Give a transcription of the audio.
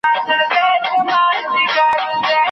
غداره زمانه ده اوس باغوان په باور نه دی